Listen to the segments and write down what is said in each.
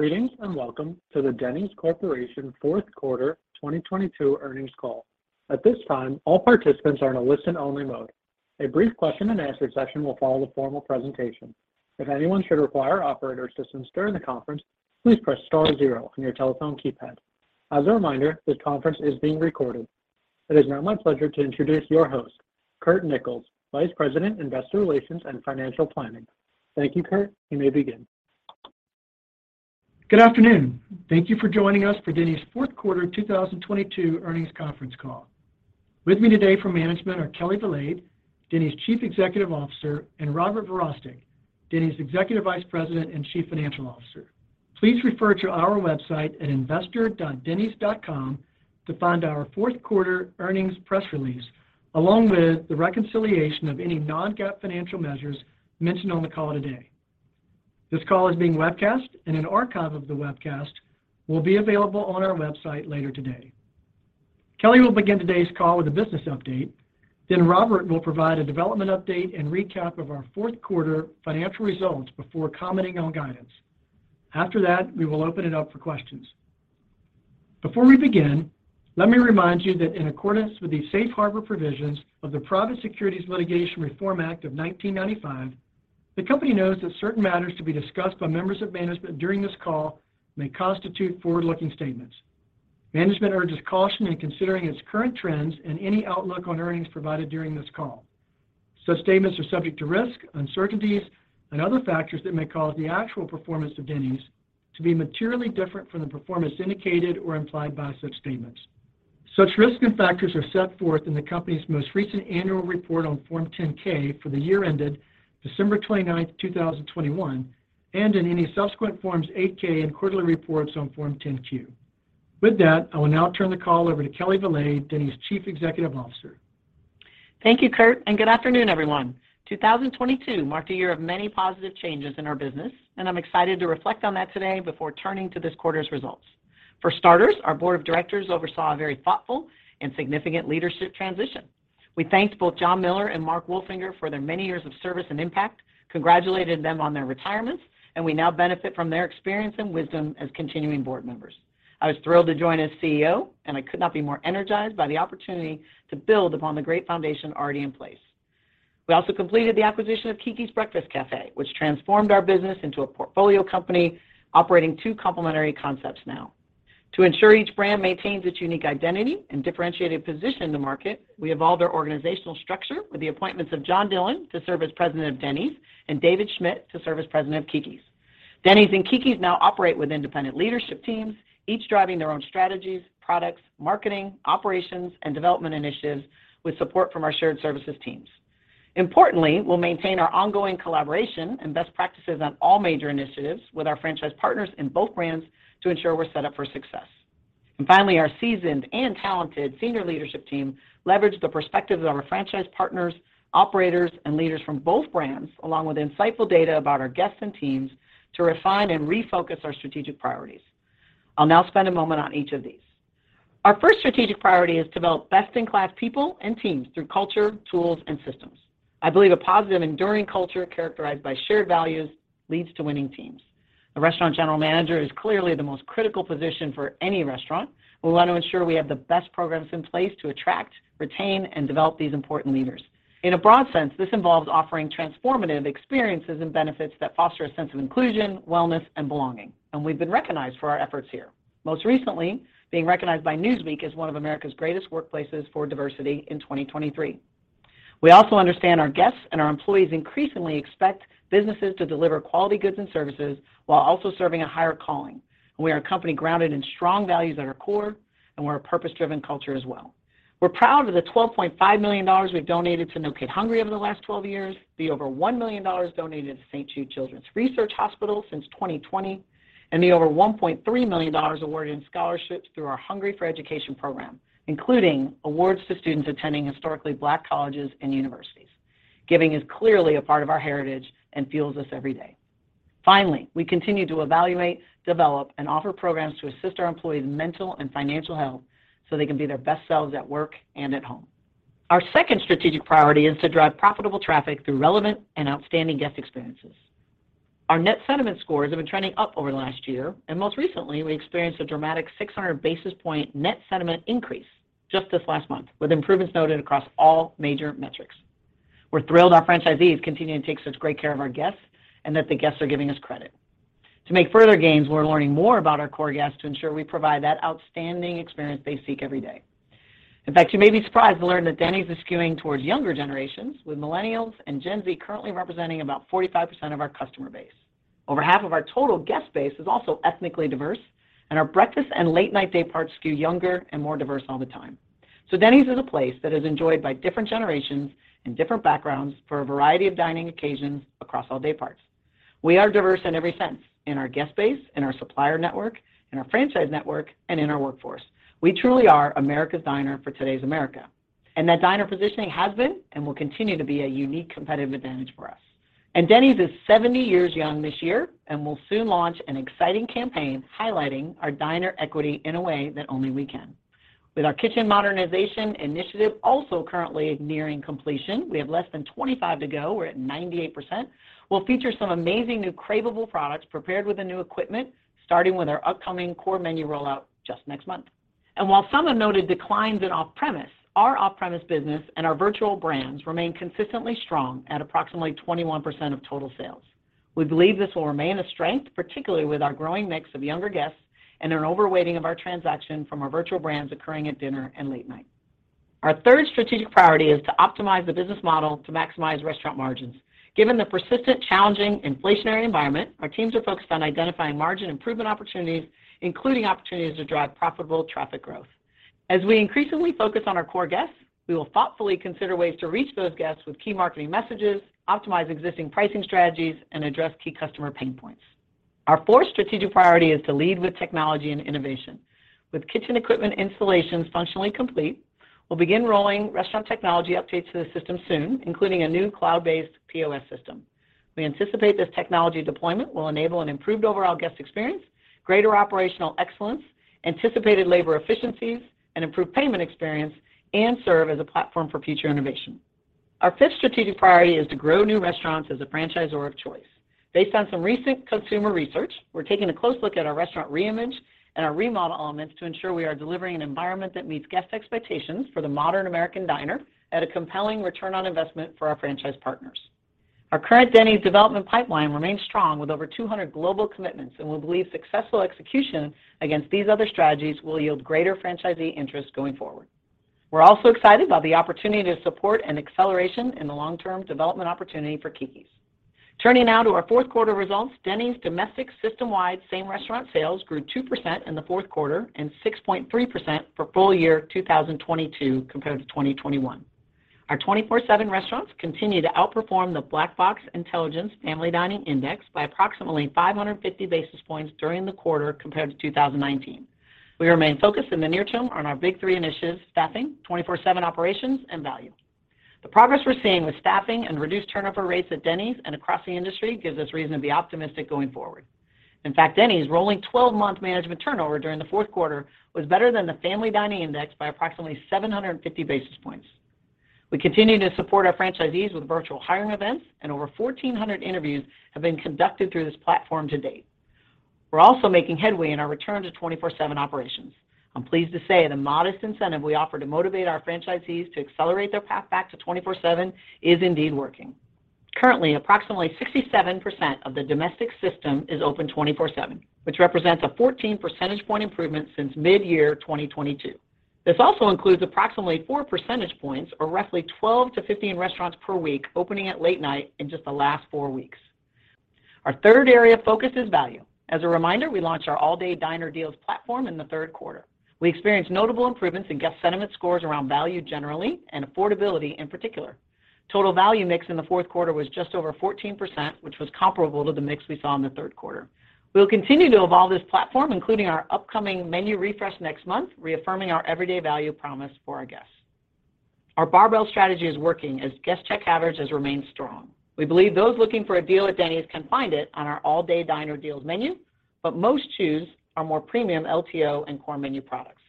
Greetings, and welcome to the Denny's Corporation fourth quarter 2022 earnings call. At this time, all participants are in a listen-only mode. A brief question-and-answer session will follow the formal presentation. If anyone should require operator assistance during the conference, please press star zero on your telephone keypad. As a reminder, this conference is being recorded. It is now my pleasure to introduce your host, Curt Nichols, Vice President, Investor Relations and Financial Planning. Thank you, Curt. You may begin. Good afternoon. Thank you for joining us for Denny's fourth quarter 2022 earnings conference call. With me today from management are Kelli Valade, Denny's Chief Executive Officer, and Robert Verostek, Denny's Executive Vice President and Chief Financial Officer. Please refer to our website at investor.dennys.com to find our fourth quarter earnings press release, along with the reconciliation of any non-GAAP financial measures mentioned on the call today. This call is being webcast, and an archive of the webcast will be available on our website later today. Kelli will begin today's call with a business update. Robert will provide a development update and recap of our fourth quarter financial results before commenting on guidance. After that, we will open it up for questions. Before we begin, let me remind you that in accordance with the safe harbor provisions of the Private Securities Litigation Reform Act of 1995, the company notes that certain matters to be discussed by members of management during this call may constitute forward-looking statements. Management urges caution in considering its current trends and any outlook on earnings provided during this call. Such statements are subject to risk, uncertainties, and other factors that may cause the actual performance of Denny's to be materially different from the performance indicated or implied by such statements. Such risks and factors are set forth in the company's most recent annual report on Form 10-K for the year ended December 29th, 2021, and in any subsequent Forms 8-K and quarterly reports on Form 10-Q. With that, I will now turn the call over to Kelli Valade, Denny's Chief Executive Officer. Thank you, Curt. Good afternoon, everyone. 2022 marked a year of many positive changes in our business, and I'm excited to reflect on that today before turning to this quarter's results. For starters, our board of directors oversaw a very thoughtful and significant leadership transition. We thanked both John Miller and Mark Wolfinger for their many years of service and impact, congratulated them on their retirements, and we now benefit from their experience and wisdom as continuing board members. I was thrilled to join as CEO, and I could not be more energized by the opportunity to build upon the great foundation already in place. We also completed the acquisition of Keke's Breakfast Cafe, which transformed our business into a portfolio company operating two complementary concepts now. To ensure each brand maintains its unique identity and differentiated position in the market, we evolved our organizational structure with the appointments of John Dillon to serve as President of Denny's and David Schmidt to serve as President of Keke's. Denny's and Keke's now operate with independent leadership teams, each driving their own strategies, products, marketing, operations, and development initiatives with support from our shared services teams. Importantly, we'll maintain our ongoing collaboration and best practices on all major initiatives with our franchise partners in both brands to ensure we're set up for success. Finally, our seasoned and talented senior leadership team leveraged the perspectives of our franchise partners, operators, and leaders from both brands, along with insightful data about our guests and teams to refine and refocus our strategic priorities. I'll now spend a moment on each of these. Our first strategic priority is develop best-in-class people and teams through culture, tools, and systems. I believe a positive, enduring culture characterized by shared values leads to winning teams. A restaurant general manager is clearly the most critical position for any restaurant. We want to ensure we have the best programs in place to attract, retain, and develop these important leaders. In a broad sense, this involves offering transformative experiences and benefits that foster a sense of inclusion, wellness, and belonging. We've been recognized for our efforts here, most recently being recognized by Newsweek as one of America's Greatest Workplaces for Diversity in 2023. We also understand our guests and our employees increasingly expect businesses to deliver quality goods and services while also serving a higher calling. We are a company grounded in strong values at our core. We're a purpose-driven culture as well. We're proud of the $12.5 million we've donated to No Kid Hungry over the last 12 years, the over $1 million donated to St. Jude Children's Research Hospital since 2020, and the over $1.3 million awarded in scholarships through our Hungry for Education program, including awards to students attending historically Black colleges and universities. Giving is clearly a part of our heritage and fuels us every day. Finally, we continue to evaluate, develop, and offer programs to assist our employees' mental and financial health so they can be their best selves at work and at home. Our second strategic priority is to drive profitable traffic through relevant and outstanding guest experiences. Our net sentiment scores have been trending up over the last year, and most recently, we experienced a dramatic 600 basis point net sentiment increase just this last month, with improvements noted across all major metrics. We're thrilled our franchisees continue to take such great care of our guests and that the guests are giving us credit. To make further gains, we're learning more about our core guests to ensure we provide that outstanding experience they seek every day. In fact, you may be surprised to learn that Denny's is skewing towards younger generations, with millennials and Gen Z currently representing about 45% of our customer base. Over half of our total guest base is also ethnically diverse, and our breakfast and late-night day parts skew younger and more diverse all the time. Denny's is a place that is enjoyed by different generations and different backgrounds for a variety of dining occasions across all day parts. We are diverse in every sense, in our guest base, in our supplier network, in our franchise network, and in our workforce. We truly are America's Diner for today's America. That Diner positioning has been and will continue to be a unique competitive advantage for us. Denny's is 70 years young this year and will soon launch an exciting campaign highlighting our diner equity in a way that only we can. With our kitchen modernization initiative also currently nearing completion, we have less than 25 to go. We're at 98%. We'll feature some amazing new craveable products prepared with the new equipment, starting with our upcoming core menu rollout just next month. While some have noted declines in off-premise, our off-premise business and our virtual brands remain consistently strong at approximately 21% of total sales. We believe this will remain a strength, particularly with our growing mix of younger guests and an overweighting of our transaction from our virtual brands occurring at dinner and late night. Our third strategic priority is to optimize the business model to maximize restaurant margins. Given the persistent challenging inflationary environment, our teams are focused on identifying margin improvement opportunities, including opportunities to drive profitable traffic growth. As we increasingly focus on our core guests, we will thoughtfully consider ways to reach those guests with key marketing messages, optimize existing pricing strategies, and address key customer pain points. Our fourth strategic priority is to lead with technology and innovation. With kitchen equipment installations functionally complete, we'll begin rolling restaurant technology updates to the system soon, including a new cloud-based POS system. We anticipate this technology deployment will enable an improved overall guest experience, greater operational excellence, anticipated labor efficiencies, an improved payment experience, and serve as a platform for future innovation. Our fifth strategic priority is to grow new restaurants as a franchisor of choice. Based on some recent consumer research, we're taking a close look at our restaurant reimage and our remodel elements to ensure we are delivering an environment that meets guest expectations for the modern American diner at a compelling return on investment for our franchise partners. Our current Denny's development pipeline remains strong with over 200 global commitments, and we believe successful execution against these other strategies will yield greater franchisee interest going forward. We're also excited by the opportunity to support an acceleration in the long-term development opportunity for Keke's. Turning now to our fourth quarter results, Denny's domestic system-wide same restaurant sales grew 2% in the fourth quarter and 6.3% for full year 2022 compared to 2021. Our 24/7 restaurants continue to outperform the Black Box Intelligence Family Dining Index by approximately 550 basis points during the quarter compared to 2019. We remain focused in the near term on our big three initiatives, staffing, 24/7 operations, and value. The progress we're seeing with staffing and reduced turnover rates at Denny's and across the industry gives us reason to be optimistic going forward. Denny's rolling 12-month management turnover during the fourth quarter was better than the family dining index by approximately 750 basis points. We continue to support our franchisees with virtual hiring events, and over 1,400 interviews have been conducted through this platform to date. We're also making headway in our return to 24/7 operations. I'm pleased to say the modest incentive we offer to motivate our franchisees to accelerate their path back to 24/7 is indeed working. Currently, approximately 67% of the domestic system is open 24/7, which represents a 14 percentage point improvement since mid-year 2022. This also includes approximately 4 percentage points or roughly 12-15 restaurants per week opening at late night in just the last four weeks. Our third area of focus is value. As a reminder, we launched our All-Day Diner Deals platform in the third quarter. We experienced notable improvements in guest sentiment scores around value generally and affordability in particular. Total value mix in the fourth quarter was just over 14%, which was comparable to the mix we saw in the third quarter. We'll continue to evolve this platform, including our upcoming menu refresh next month, reaffirming our everyday value promise for our guests. Our barbell strategy is working as guest check average has remained strong. We believe those looking for a deal at Denny's can find it on our All-Day Diner Deals menu, but most choose our more premium LTO and core menu products.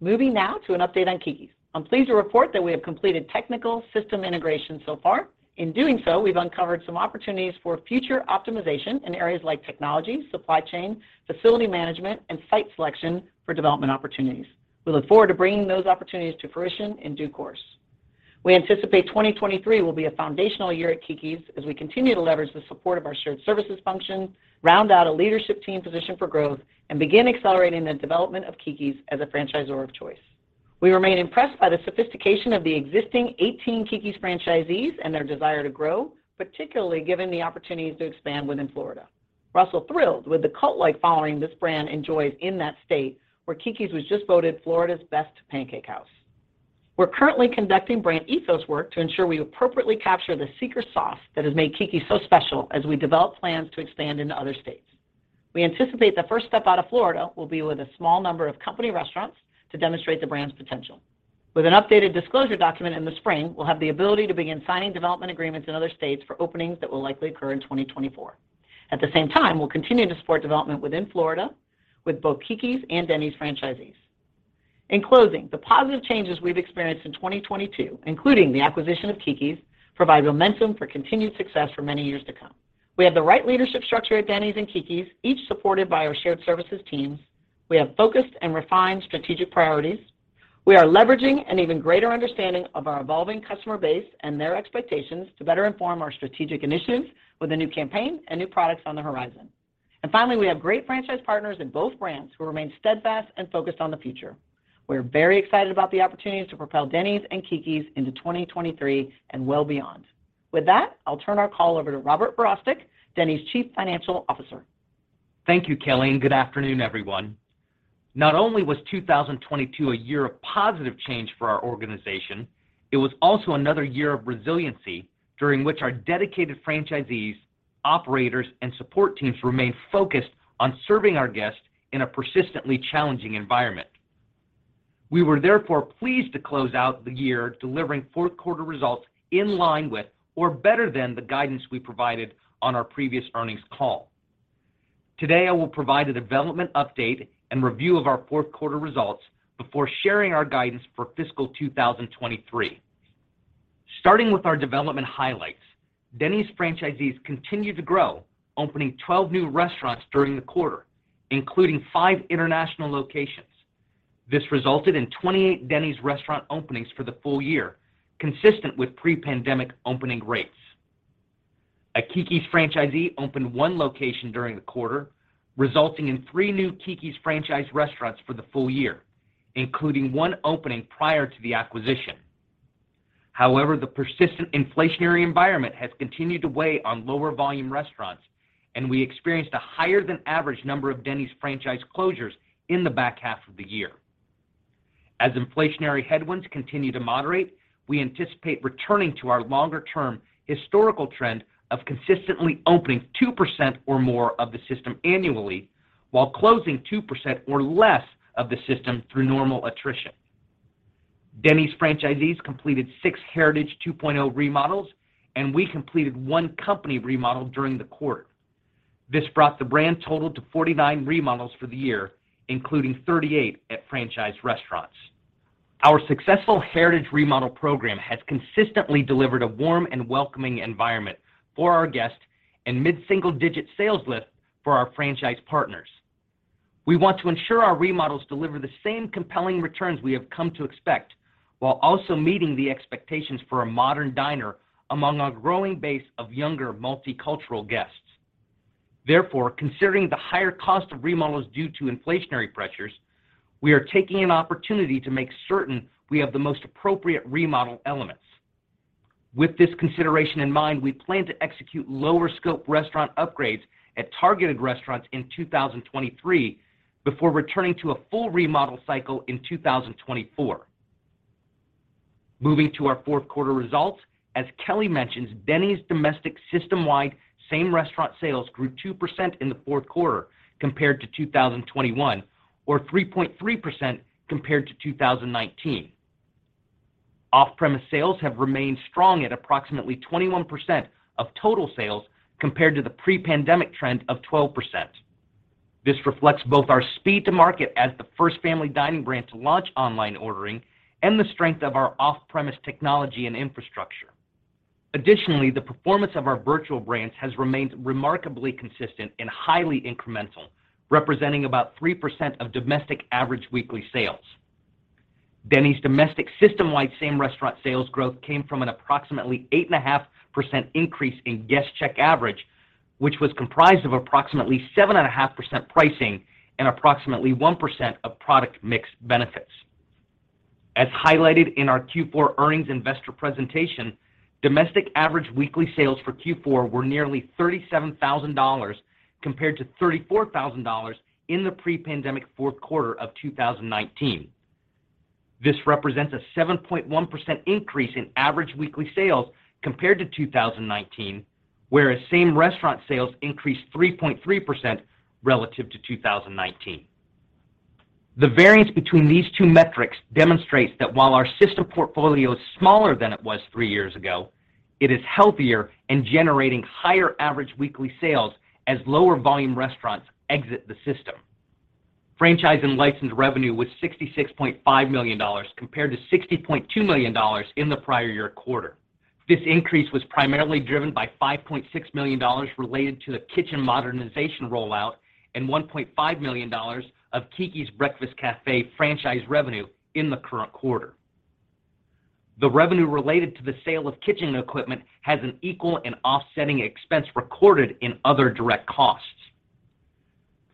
Moving now to an update on Keke's. I'm pleased to report that we have completed technical system integration so far. In doing so, we've uncovered some opportunities for future optimization in areas like technology, supply chain, facility management, and site selection for development opportunities. We look forward to bringing those opportunities to fruition in due course. We anticipate 2023 will be a foundational year at Keke's as we continue to leverage the support of our shared services function, round out a leadership team positioned for growth, and begin accelerating the development of Keke's as a franchisor of choice. We remain impressed by the sophistication of the existing 18 Keke's franchisees and their desire to grow, particularly given the opportunities to expand within Florida. We're also thrilled with the cult-like following this brand enjoys in that state where Keke's was just voted Florida's best pancake house. We're currently conducting brand ethos work to ensure we appropriately capture the secret sauce that has made Keke's so special as we develop plans to expand into other states. We anticipate the first step out of Florida will be with a small number of company restaurants to demonstrate the brand's potential. With an updated disclosure document in the spring, we'll have the ability to begin signing development agreements in other states for openings that will likely occur in 2024. At the same time, we'll continue to support development within Florida with both Keke's and Denny's franchisees. In closing, the positive changes we've experienced in 2022, including the acquisition of Keke's, provide momentum for continued success for many years to come. We have the right leadership structure at Denny's and Keke's, each supported by our shared services teams. We have focused and refined strategic priorities. We are leveraging an even greater understanding of our evolving customer base and their expectations to better inform our strategic initiatives with a new campaign and new products on the horizon. Finally, we have great franchise partners in both brands who remain steadfast and focused on the future. We're very excited about the opportunities to propel Denny's and Keke's into 2023 and well beyond. With that, I'll turn our call over to Robert Verostek, Denny's Chief Financial Officer. Thank you, Kelli. Good afternoon, everyone. Not only was 2022 a year of positive change for our organization, it was also another year of resiliency during which our dedicated franchisees, operators, and support teams remained focused on serving our guests in a persistently challenging environment. We were therefore pleased to close out the year delivering fourth quarter results in line with or better than the guidance we provided on our previous earnings call. Today, I will provide a development update and review of our fourth quarter results before sharing our guidance for fiscal 2023. Starting with our development highlights, Denny's franchisees continued to grow, opening 12 new restaurants during the quarter, including five international locations. This resulted in 28 Denny's restaurant openings for the full year, consistent with pre-pandemic opening rates. A Keke's franchisee opened one location during the quarter, resulting in three new Keke's franchise restaurants for the full year, including one opening prior to the acquisition. The persistent inflationary environment has continued to weigh on lower volume restaurants, and we experienced a higher than average number of Denny's franchise closures in the back half of the year. As inflationary headwinds continue to moderate, we anticipate returning to our longer-term historical trend of consistently opening 2% or more of the system annually while closing 2% or less of the system through normal attrition. Denny's franchisees completed 6 Heritage 2.0 remodels, and we completed 1 company remodel during the quarter. This brought the brand total to 49 remodels for the year, including 38 at franchise restaurants. Our successful Heritage remodel program has consistently delivered a warm and welcoming environment for our guests and mid-single-digit sales lift for our franchise partners. We want to ensure our remodels deliver the same compelling returns we have come to expect while also meeting the expectations for a modern diner among our growing base of younger, multicultural guests. Therefore, considering the higher cost of remodels due to inflationary pressures, we are taking an opportunity to make certain we have the most appropriate remodel elements. With this consideration in mind, we plan to execute lower scope restaurant upgrades at targeted restaurants in 2023 before returning to a full remodel cycle in 2024. Moving to our fourth quarter results, as Kelli mentioned, Denny's domestic system-wide same restaurant sales grew 2% in the fourth quarter compared to 2021 or 3.3% compared to 2019. Off-premise sales have remained strong at approximately 21% of total sales compared to the pre-pandemic trend of 12%. This reflects both our speed to market as the first family dining brand to launch online ordering and the strength of our off-premise technology and infrastructure. Additionally, the performance of our virtual brands has remained remarkably consistent and highly incremental, representing about 3% of domestic average weekly sales. Denny's domestic system-wide same restaurant sales growth came from an approximately 8.5% increase in guest check average, which was comprised of approximately 7.5% pricing and approximately 1% of product mix benefits. As highlighted in our Q4 earnings investor presentation, domestic average weekly sales for Q4 were nearly $37,000 compared to $34,000 in the pre-pandemic fourth quarter of 2019. This represents a 7.1% increase in average weekly sales compared to 2019, whereas same-restaurant sales increased 3.3% relative to 2019. The variance between these two metrics demonstrates that while our system portfolio is smaller than it was three years ago, it is healthier and generating higher average weekly sales as lower volume restaurants exit the system. Franchise and licensed revenue was $66.5 million compared to $60.2 million in the prior year quarter. This increase was primarily driven by $5.6 million related to the kitchen modernization rollout and $1.5 million of Keke's Breakfast Cafe franchise revenue in the current quarter. The revenue related to the sale of kitchen equipment has an equal and offsetting expense recorded in other direct costs.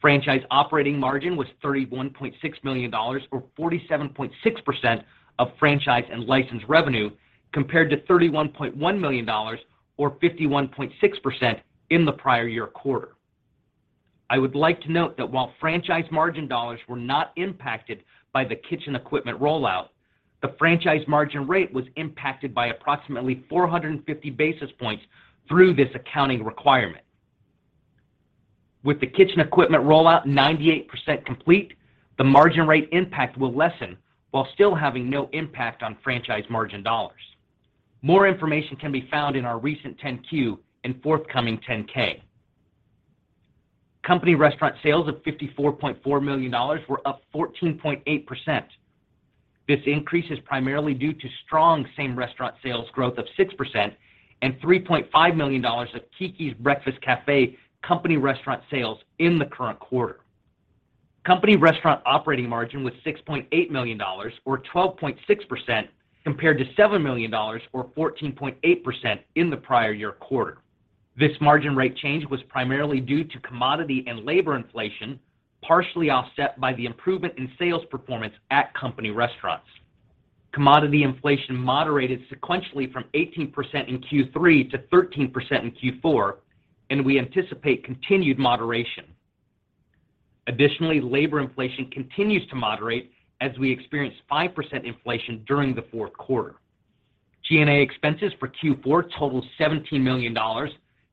Franchise operating margin was $31.6 million or 47.6% of franchise and licensed revenue compared to $31.1 million or 51.6% in the prior year quarter. I would like to note that while franchise margin dollars were not impacted by the kitchen equipment rollout, the franchise margin rate was impacted by approximately 450 basis points through this accounting requirement. With the kitchen equipment rollout 98% complete, the margin rate impact will lessen while still having no impact on franchise margin dollars. More information can be found in our recent 10-Q and forthcoming 10-K. Company restaurant sales of $54.4 million were up 14.8%. This increase is primarily due to strong same restaurant sales growth of 6% and $3.5 million of Keke's Breakfast Cafe company restaurant sales in the current quarter. Company restaurant operating margin was $6.8 million or 12.6% compared to $7 million or 14.8% in the prior year quarter. This margin rate change was primarily due to commodity and labor inflation, partially offset by the improvement in sales performance at company restaurants. Commodity inflation moderated sequentially from 18% in Q3 to 13% in Q4. We anticipate continued moderation. Labor inflation continues to moderate as we experienced 5% inflation during the fourth quarter. G&A expenses for Q4 totaled $17 million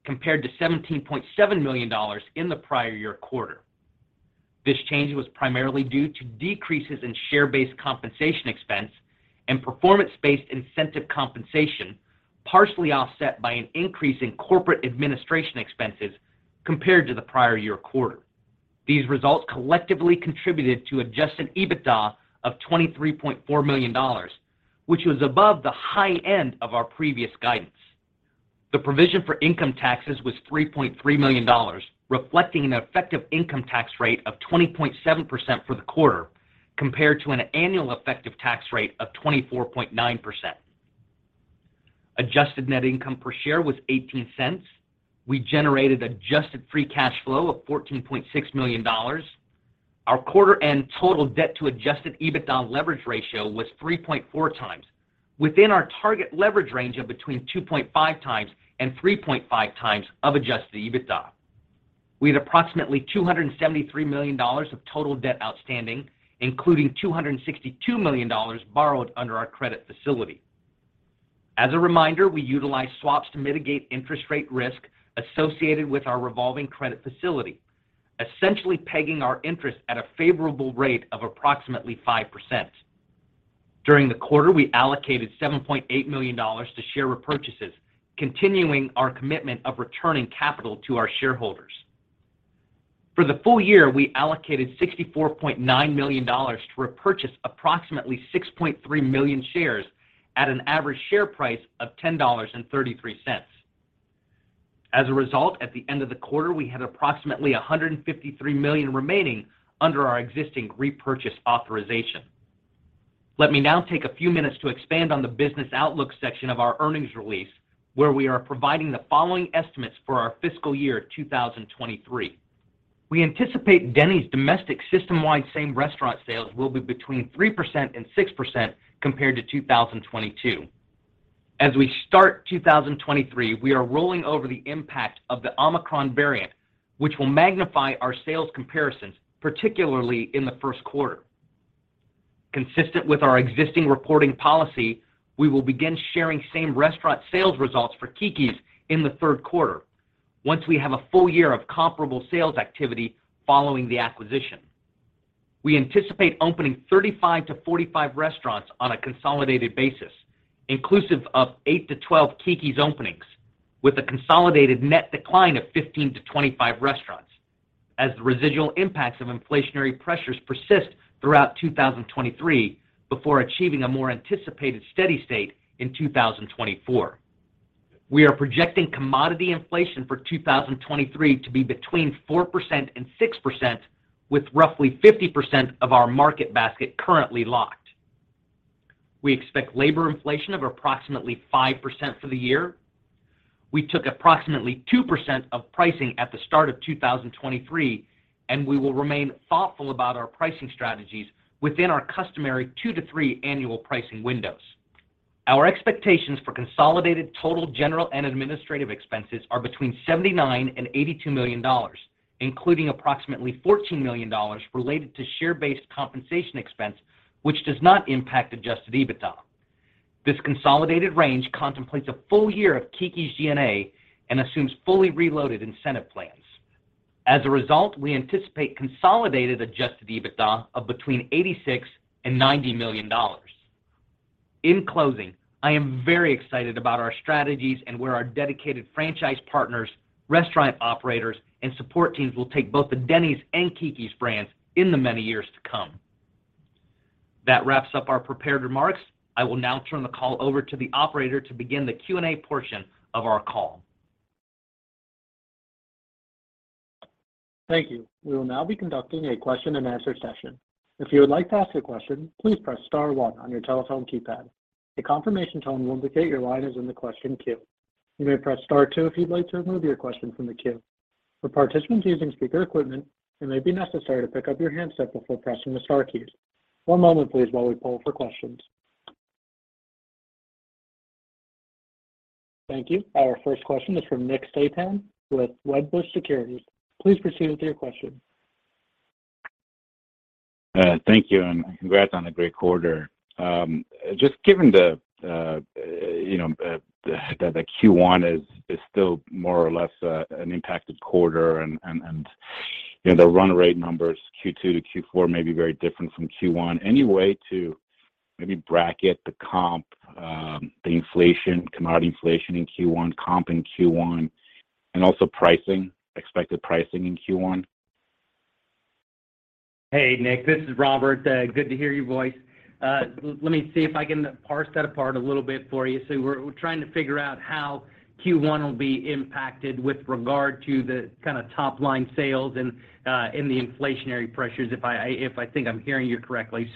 compared to $17.7 million in the prior year quarter. This change was primarily due to decreases in share-based compensation expense and performance-based incentive compensation, partially offset by an increase in corporate administration expenses compared to the prior year quarter. These results collectively contributed to adjusted EBITDA of $23.4 million, which was above the high end of our previous guidance. The provision for income taxes was $3.3 million, reflecting an effective income tax rate of 20.7% for the quarter compared to an annual effective tax rate of 24.9%. Adjusted net income per share was $0.18. We generated adjusted free cash flow of $14.6 million. Our quarter and total debt to adjusted EBITDA leverage ratio was 3.4 times within our target leverage range of between 2.5 times and 3.5 times of adjusted EBITDA. We had approximately $273 million of total debt outstanding, including $262 million borrowed under our credit facility. As a reminder, we utilize swaps to mitigate interest rate risk associated with our revolving credit facility, essentially pegging our interest at a favorable rate of approximately 5%. During the quarter, we allocated $7.8 million to share repurchases, continuing our commitment of returning capital to our shareholders. For the full year, we allocated $64.9 million to repurchase approximately 6.3 million shares at an average share price of $10.33. At the end of the quarter, we had approximately $153 million remaining under our existing repurchase authorization. Let me now take a few minutes to expand on the business outlook section of our earnings release, where we are providing the following estimates for our fiscal year 2023. We anticipate Denny's domestic system-wide same restaurant sales will be between 3% and 6% compared to 2022. As we start 2023, we are rolling over the impact of the Omicron variant, which will magnify our sales comparisons, particularly in the first quarter. Consistent with our existing reporting policy, we will begin sharing same restaurant sales results for Keke's in the third quarter once we have a full year of comparable sales activity following the acquisition. We anticipate opening 35-45 restaurants on a consolidated basis, inclusive of 8-12 Keke's openings, with a consolidated net decline of 15-25 restaurants as the residual impacts of inflationary pressures persist throughout 2023 before achieving a more anticipated steady state in 2024. We are projecting commodity inflation for 2023 to be between 4% and 6%, with roughly 50% of our market basket currently locked. We expect labor inflation of approximately 5% for the year. We took approximately 2% of pricing at the start of 2023. We will remain thoughtful about our pricing strategies within our customary 2-3 annual pricing windows. Our expectations for consolidated total general and administrative expenses are between $79 million and $82 million, including approximately $14 million related to share-based compensation expense which does not impact Adjusted EBITDA. This consolidated range contemplates a full year of Keke's G&A and assumes fully reloaded incentive plans. We anticipate consolidated Adjusted EBITDA of between $86 million and $90 million. In closing, I am very excited about our strategies and where our dedicated franchise partners, restaurant operators, and support teams will take both the Denny's and Keke's brands in the many years to come. That wraps up our prepared remarks. I will now turn the call over to the operator to begin the Q&A portion of our call. Thank you. We will now be conducting a question and answer session. If you would like to ask a question, please press star one on your telephone keypad. A confirmation tone will indicate your line is in the question queue. You may press Star two if you'd like to remove your question from the queue. For participants using speaker equipment, it may be necessary to pick up your handset before pressing the star keys. One moment please while we poll for questions. Thank you. Our first question is from Nick Setyan with Wedbush Securities. Please proceed with your question. Thank you. Congrats on a great quarter. Just given the, you know, the Q1 is still more or less an impacted quarter and, you know, the run rate numbers Q2 to Q4 may be very different from Q1. Any way to maybe bracket the comp, the inflation, commodity inflation in Q1, comp in Q1, and also pricing, expected pricing in Q1? Hey, Nick. This is Robert. Good to hear your voice. Let me see if I can parse that apart a little bit for you. We're trying to figure out how Q1 will be impacted with regard to the kind of top-line sales and the inflationary pressures, if I think I'm hearing you correctly.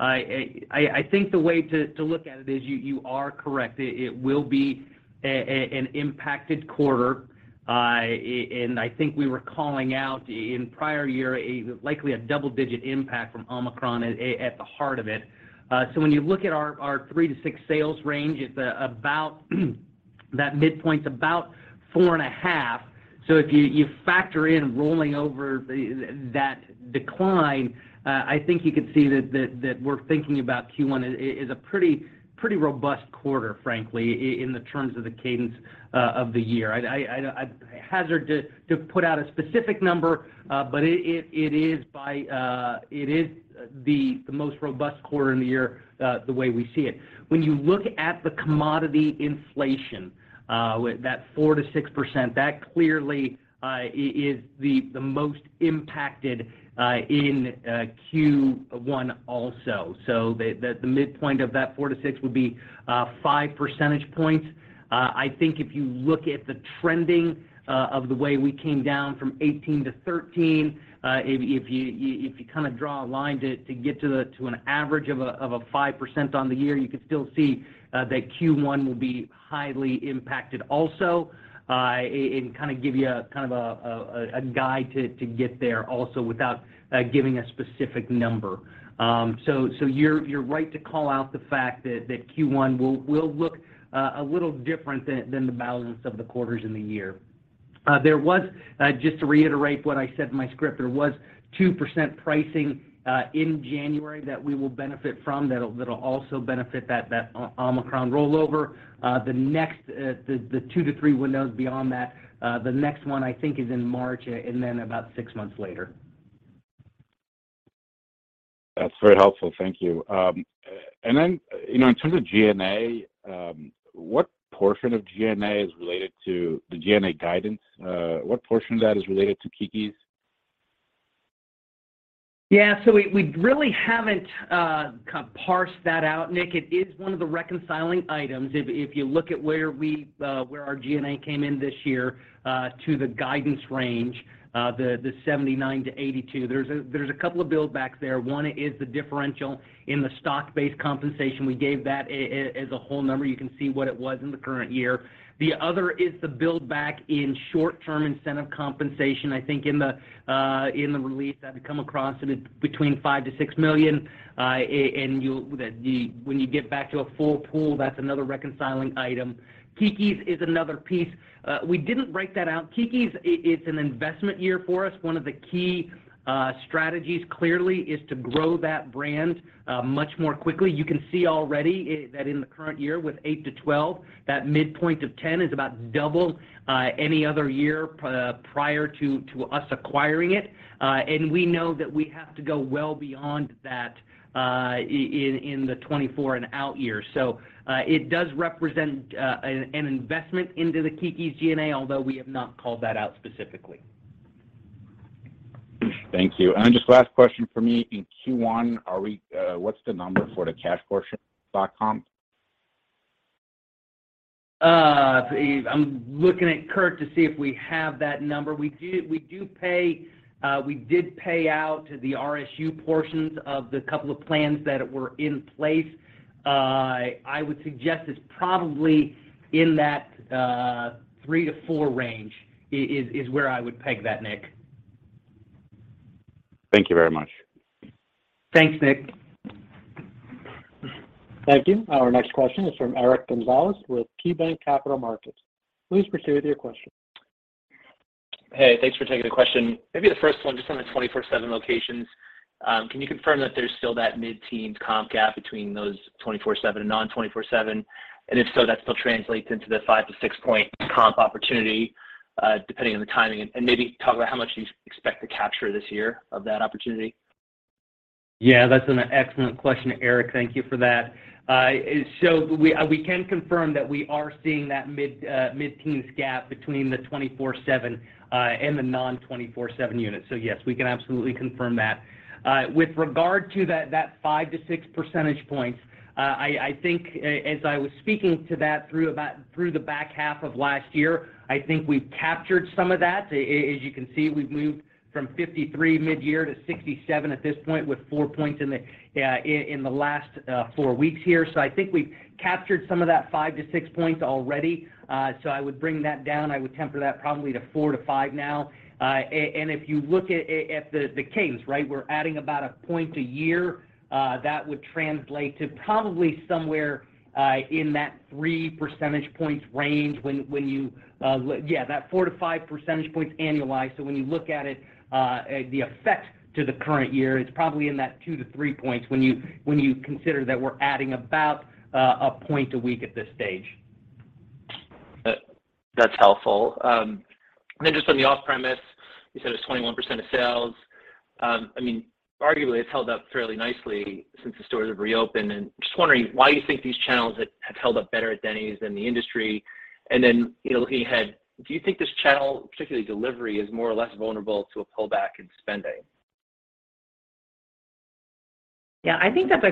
I think the way to look at it is you are correct. It will be an impacted quarter. And I think we were calling out in prior year a, likely a double-digit impact from Omicron at the heart of it. When you look at our 3%-6% sales range, it's about that midpoint's about 4.5%. If you factor in rolling over that decline, I think you can see that we're thinking about Q1 is a pretty robust quarter, frankly, in terms of the cadence of the year. I'd hazard to put out a specific number, but it is the most robust quarter in the year, the way we see it. When you look at the commodity inflation with that 4%-6%, that clearly is the most impacted in Q1 also. The midpoint of that 4%-6% would be five percentage points. I think if you look at the trending, of the way we came down from 18-13, if you kind of draw a line to get to an average of a 5% on the year, you can still see that Q1 will be highly impacted also, and kind of give you a kind of a guide to get there also without giving a specific number. You're right to call out the fact that Q1 will look a little different than the balance of the quarters in the year. There was just to reiterate what I said in my script, there was 2% pricing in January that we will benefit from that'll also benefit that Omicron rollover. The next, the 2-3 windows beyond that, the next one I think is in March, and then about 6 months later. That's very helpful. Thank you. Then, you know, in terms of GNA, what portion of GNA is related to the GNA guidance? What portion of that is related to Keke's? We, we really haven't kind of parsed that out, Nick. It is one of the reconciling items. If you look at where we, where our G&A came in this year to the guidance range, the 79-82, there's a couple of build backs there. One is the differential in the stock-based compensation. We gave that as a whole number. You can see what it was in the current year. The other is the build back in short-term incentive compensation. I think in the release, I've come across it. It's between $5 million-$6 million. And when you get back to a full pool, that's another reconciling item. Keke's is another piece. We didn't break that out. Keke's it's an investment year for us. One of the key strategies clearly is to grow that brand much more quickly. You can see already that in the current year with 8-12, that midpoint of 10 is about double any other year prior to us acquiring it. And we know that we have to go well beyond that in 2024 and out years. It does represent an investment into the Keke's G&A, although we have not called that out specifically. Thank you. Just last question for me. In Q1, what's the number for the cash portion of dot com? I'm looking at Curt to see if we have that number. We do, we did pay out the RSU portions of the couple of plans that were in place. I would suggest it's probably in that 3-4 range is where I would peg that, Nick. Thank you very much. Thanks, Nick. Thank you. Our next question is from Eric Gonzalez with KeyBanc Capital Markets. Please proceed with your question. Hey, thanks for taking the question. Maybe the first one just on the 24/7 locations. Can you confirm that there's still that mid-teens comp gap between those 24/7 and non-24/7? If so, that still translates into the 5 to 6-point comp opportunity, depending on the timing. Maybe talk about how much you expect to capture this year of that opportunity. Yeah, that's an excellent question, Eric. Thank you for that. We can confirm that we are seeing that mid-teens gap between the twenty four/seven and the non-twenty four/seven units. Yes, we can absolutely confirm that. With regard to that 5-6 percentage points, I think as I was speaking to that through the back half of last year, I think we've captured some of that. As you can see, we've moved from 53 midyear to 67 at this point, with 4 points in the last 4 weeks here. I think we've captured some of that 5-6 points already. I would bring that down. I would temper that probably to 4-5 now. If you look at the cadence, right, we're adding about a point a year, that would translate to probably somewhere in that 3 percentage points range when you, yeah, that 4-5 percentage points annualized. When you look at it, the effect to the current year, it's probably in that 2-3 points when you consider that we're adding about a point a week at this stage. That's helpful. Just on the off-premise, you said it's 21% of sales. I mean, arguably it's held up fairly nicely since the stores have reopened. Just wondering why you think these channels have held up better at Denny's than the industry. You know, looking ahead, do you think this channel, particularly delivery, is more or less vulnerable to a pullback in spending? I think that's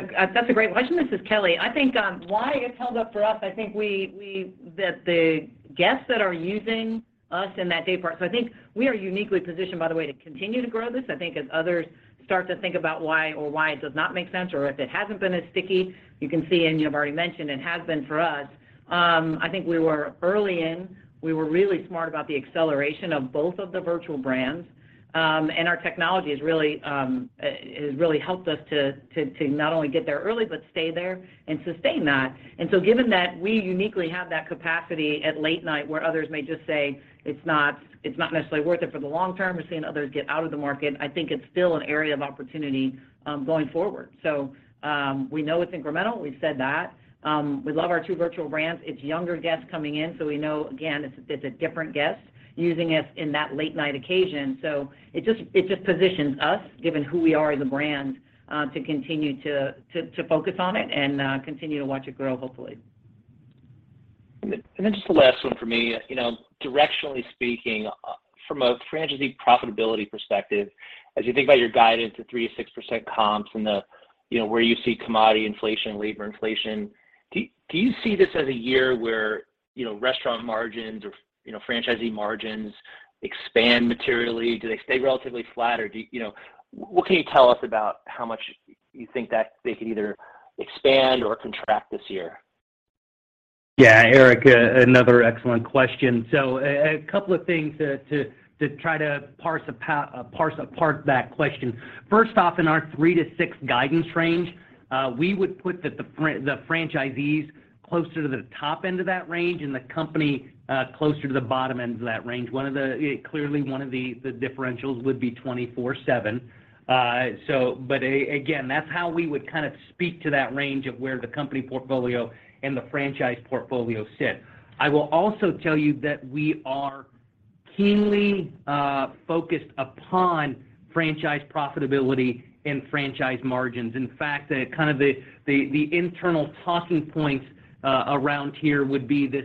a great question. This is Kelli. I think why it's held up for us, I think we that the guests that are using us in that day part. I think we are uniquely positioned, by the way, to continue to grow this. I think as others start to think about why or why it does not make sense or if it hasn't been as sticky, you can see and you've already mentioned it has been for us. I think we were early in. We were really smart about the acceleration of both of the virtual brands. And our technology has really helped us to not only get there early, but stay there and sustain that. Given that we uniquely have that capacity at late night where others may just say, "It's not necessarily worth it for the long term." We're seeing others get out of the market. I think it's still an area of opportunity going forward. We know it's incremental, we've said that. We love our two virtual brands. It's younger guests coming in, so we know, again, it's a different guest using us in that late night occasion. It just positions us, given who we are as a brand, to continue to focus on it and continue to watch it grow, hopefully. Just the last one from me. You know, directionally speaking, from a franchisee profitability perspective, as you think about your guidance at 3%-6% comps and the, you know, where you see commodity inflation, labor inflation, do you see this as a year where, you know, restaurant margins or, you know, franchisee margins expand materially? Do they stay relatively flat? Or you know, what can you tell us about how much you think that they could either expand or contract this year? Yeah. Eric, another excellent question. A couple of things to try to parse apart that question. First off in our 3-6 guidance range, we would put the franchisees closer to the top end of that range and the company closer to the bottom end of that range. Clearly, one of the differentials would be 24/7. Again, that's how we would kind of speak to that range of where the company portfolio and the franchise portfolio sit. I will also tell you that we are keenly focused upon franchise profitability and franchise margins. In fact, kind of the internal talking points around here would be this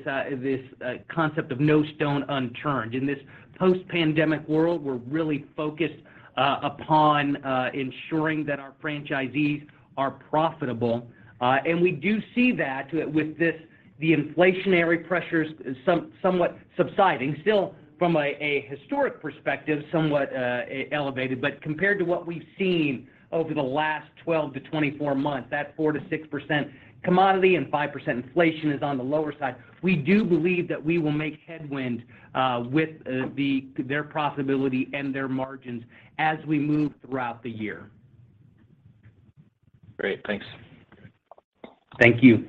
concept of no stone unturned. In this post-pandemic world, we're really focused upon ensuring that our franchisees are profitable. We do see that with this, the inflationary pressures somewhat subsiding. Still from a historic perspective, somewhat elevated, compared to what we've seen over the last 12-24 months, that 4%-6% commodity and 5% inflation is on the lower side. We do believe that we will make headwind with their profitability and their margins as we move throughout the year. Great. Thanks. Thank you.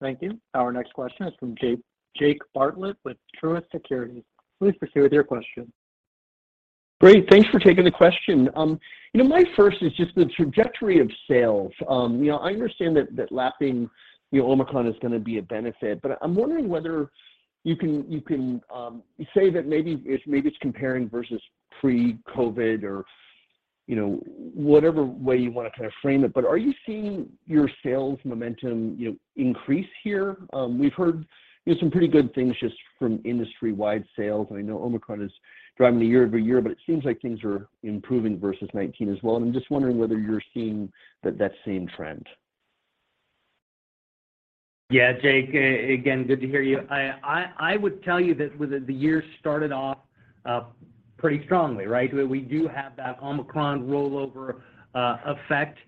Thank you. Our next question is from Jake Bartlett with Truist Securities. Please proceed with your question. Great. Thanks for taking the question. you know, my first is just the trajectory of sales. you know, I understand that lapping, you know, Omicron is gonna be a benefit, but I'm wondering whether you can say that maybe it's comparing versus pre-COVID or, you know, whatever way you wanna kind of frame it. Are you seeing your sales momentum, you know, increase here? We've heard, you know, some pretty good things just from industry-wide sales, and I know Omicron is driving the year-over-year, it seems like things are improving versus 2019 as well, and I'm just wondering whether you're seeing that same trend. Jake, again, good to hear you. I would tell you that with the year started off pretty strongly, right? We do have that Omicron rollover effect.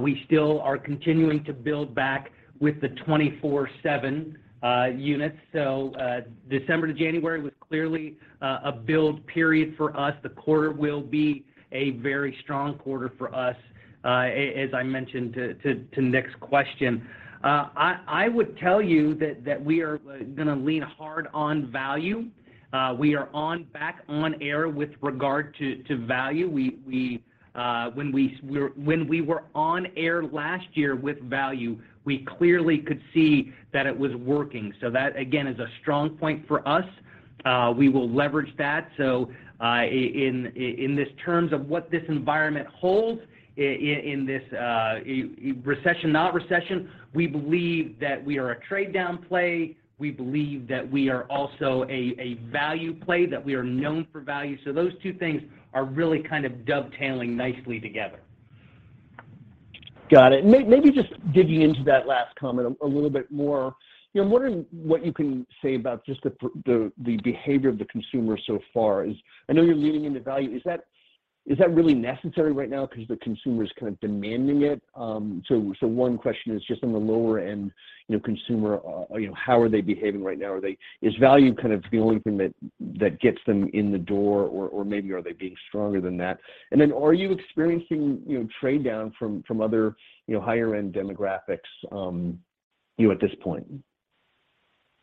We still are continuing to build back with the 24/7 units. December to January was clearly a build period for us. The quarter will be a very strong quarter for us, as I mentioned to Nick's question. I would tell you that we are gonna lean hard on value. We are back on air with regard to value. We, when we were on air last year with value, we clearly could see that it was working. That, again, is a strong point for us. We will leverage that. In this terms of what this environment holds in this recession, not recession, we believe that we are a trade-down play. We believe that we are also a value play, that we are known for value. Those two things are really kind of dovetailing nicely together. Got it. maybe just digging into that last comment a little bit more. You know, I'm wondering what you can say about just the behavior of the consumer so far. I know you're leaning into value. Is that really necessary right now because the consumer's kind of demanding it? One question is just on the lower end, you know, consumer, you know, how are they behaving right now? Is value kind of the only thing that gets them in the door or maybe are they being stronger than that? Then are you experiencing, you know, trade down from other, you know, higher end demographics, you know, at this point?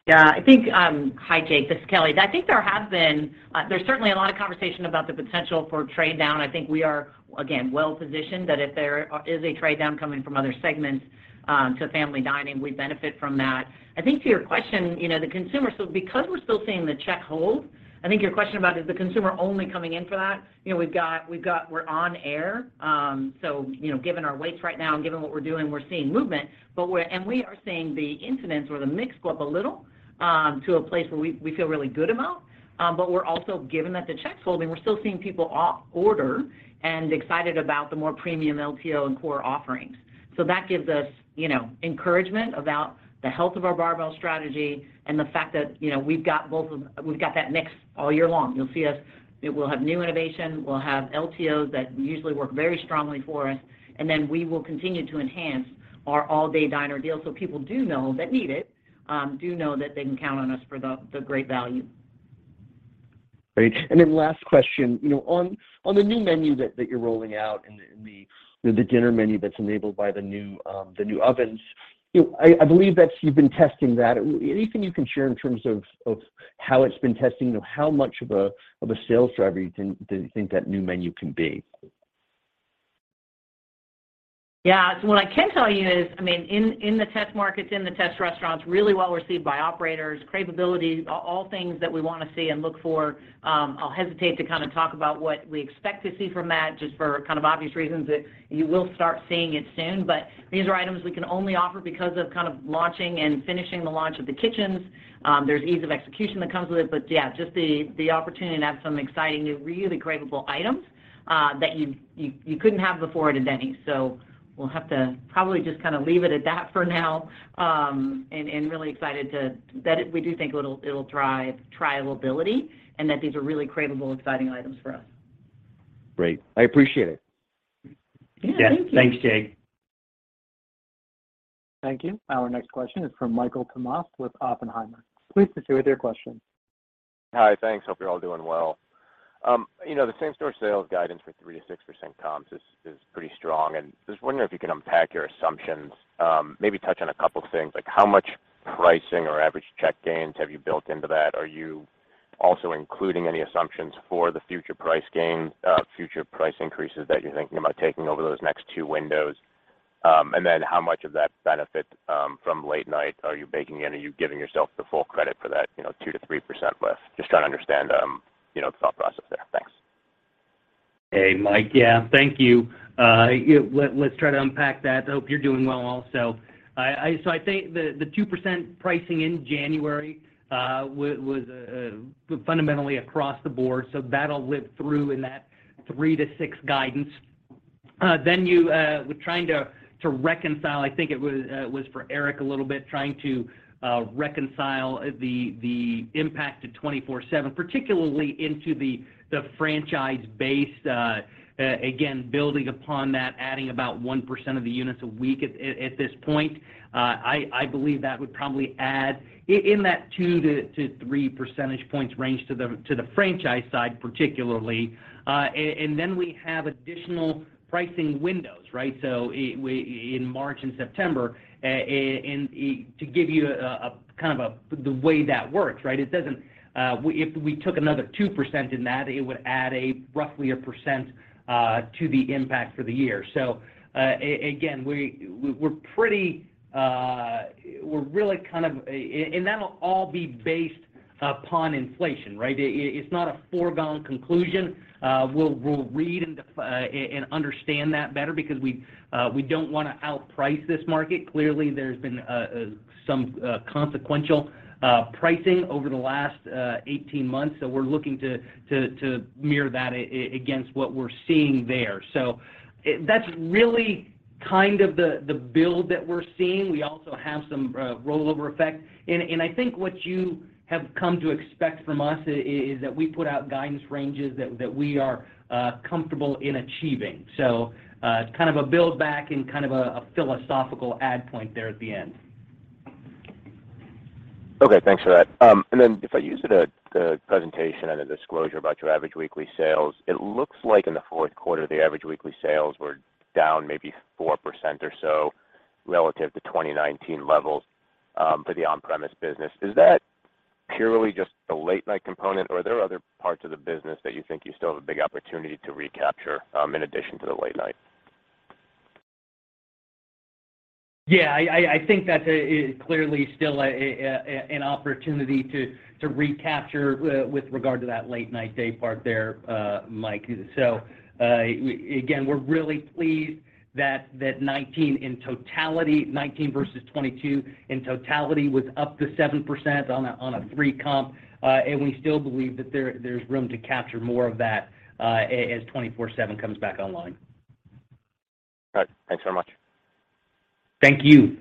Yeah. I think, Hi, Jake Bartlett. This is Kelli Valade. I think there have been, there's certainly a lot of conversation about the potential for trade down. I think we are, again, well positioned that if there is a trade down coming from other segments to family dining, we benefit from that. I think to your question, you know, the consumer because we're still seeing the check hold, I think your question about, is the consumer only coming in for that? You know, we've got we're on air. You know, given our weights right now and given what we're doing, we're seeing movement, but we are seeing the incidence or the mix go up a little to a place where we feel really good about. We're also given that the check's holding, we're still seeing people order and excited about the more premium LTO and core offerings. That gives us, you know, encouragement about the health of our barbell strategy and the fact that, you know, we've got that mix all year long. You'll see us, you know, we'll have new innovation, we'll have LTOs that usually work very strongly for us, and then we will continue to enhance our All-Day Diner Deals so people do know, that need it, do know that they can count on us for the great value. Great. Last question, you know, on the new menu that you're rolling out and the dinner menu that's enabled by the new ovens, you know, I believe that you've been testing that. Anything you can share in terms of how it's been testing? You know, how much of a sales driver do you think that new menu can be? Yeah. What I can tell you is, I mean, in the test markets, in the test restaurants, really well received by operators, cravability, all things that we wanna see and look for. I'll hesitate to kind of talk about what we expect to see from that just for kind of obvious reasons that you will start seeing it soon. These are items we can only offer because of kind of launching and finishing the launch of the kitchens. There's ease of execution that comes with it. Yeah, just the opportunity to have some exciting, new, really cravable items that you couldn't have before at a Denny's. We'll have to probably just kind of leave it at that for now, and really excited that we do think it'll drive trialability and that these are really cravable, exciting items for us. Great. I appreciate it. Yeah. Thank you. Yeah. Thanks, Jake. Thank you. Our next question is from Michael Tamas with Oppenheimer. Please proceed with your question. Hi. Thanks. Hope you're all doing well. You know, the same-store sales guidance for 3%-6% comps is pretty strong, just wondering if you can unpack your assumptions? Maybe touch on a couple things, like how much pricing or average check gains have you built into that? Are you also including any assumptions for the future price increases that you're thinking about taking over those next 2 windows? Then how much of that benefit from late night are you baking in? Are you giving yourself the full credit for that, you know, 2%-3% lift? Just trying to understand, you know, the thought process there. Thanks. Hey, Mike. Yeah. Thank you. Let's try to unpack that. I hope you're doing well also. I think the 2% pricing in January was fundamentally across the board, so that'll live through in that 3-6 guidance. You, we're trying to reconcile, I think it was for Eric a little bit, trying to reconcile the impact of 24/7, particularly into the franchise base, again, building upon that, adding about 1% of the units a week at this point. I believe that would probably add in that 2-3 percentage points range to the franchise side particularly. And we have additional pricing windows, right? In March and September, and to give you a kind of the way that works, right? It doesn't, if we took another 2% in that, it would add a roughly 1% to the impact for the year. Again, we're pretty, we're really kind of and that'll all be based upon inflation, right? It's not a foregone conclusion. We'll read and understand that better because we don't wanna outprice this market. Clearly, there's been some consequential pricing over the last 18 months, so we're looking to mirror that against what we're seeing there. That's really kind of the build that we're seeing. We also have some rollover effect. I think what you have come to expect from us is that we put out guidance ranges that we are comfortable in achieving. It's kind of a build back and kind of a philosophical add point there at the end. Okay. Thanks for that. Then if I use the presentation and the disclosure about your average weekly sales, it looks like in the fourth quarter, the average weekly sales were down maybe 4% or so relative to 2019 levels for the on-premise business. Is that purely just the late night component, or are there other parts of the business that you think you still have a big opportunity to recapture in addition to the late night? Yeah. I think that's clearly still an opportunity to recapture with regard to that late night day part there, Mike. Again, we're really pleased that 19 in totality, 19 versus 22 in totality was up to 7% on a 3 comp. We still believe that there's room to capture more of that as 24/7 comes back online. All right. Thanks very much. Thank you.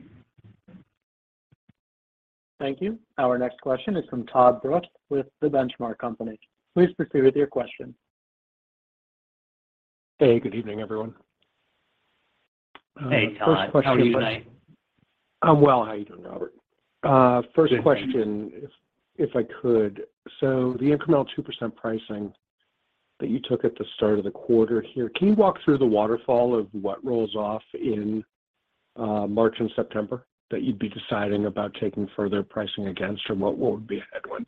Thank you. Our next question is from Todd Brooks with The Benchmark Company. Please proceed with your question. Hey, good evening, everyone. Hey, Todd. First question. How are you tonight? I'm well. How are you doing, Robert? First question, if I could. The incremental 2% pricing that you took at the start of the quarter here, can you walk through the waterfall of what rolls off in March and September that you'd be deciding about taking further pricing against or what would be a headwind?